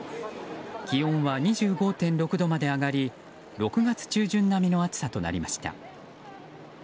気温は２５．６度まで上がり６月中旬並みの暑さとなりました。